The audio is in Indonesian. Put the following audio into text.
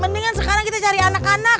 mendingan sekarang kita cari anak anak